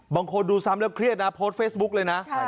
บางคนดูซ้ำแล้วเครียดนะโพสต์เฟซบุ๊กเลยนะ